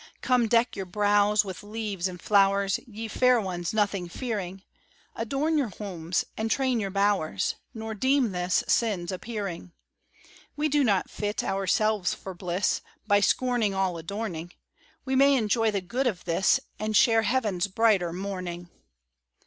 Come, deck your brows with leaves and flowers, Ye fair ones, nothing fearing; Adorn your homes and train your bowers Nor deem this sin's appearing; We do not fit ourselves for bliss By scorning all adorning; We may enjoy the good of this And share heaven's brighter morning.